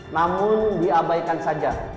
namun diabaikan saja